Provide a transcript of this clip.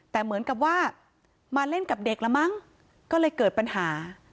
แต่เหมือนกับว่ามาเล่นกับเด็กละมั้งก็เลยเกิดปัญหา